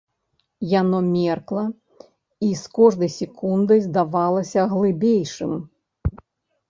Яно меркла і з кожнай секундай здавалася глыбейшым.